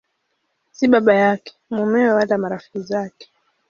Si baba yake, mumewe wala marafiki zake.